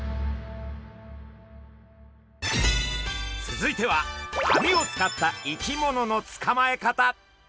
続いては網を使った生き物のつかまえ方。